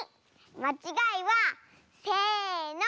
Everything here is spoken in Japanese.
まちがいはせの！